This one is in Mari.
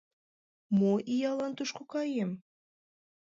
Мо иялан тушко каем?